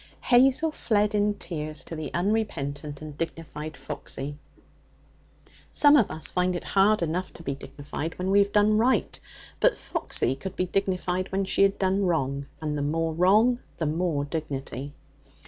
Hazel fled in tears to the unrepentant and dignified Foxy. Some of us find it hard enough to be dignified when we have done right; but Foxy could be dignified when she had done wrong, and the more wrong, the more dignity.